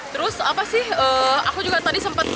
terus apa sih aku juga tadi sempat